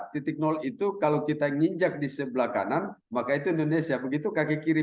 titik nol itu kalau kita nginjak di sebelah kanan maka itu indonesia begitu kaki kiri